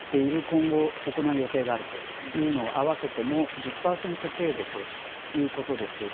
今後「行う予定がある」というのを合わせても１０％程度ということです。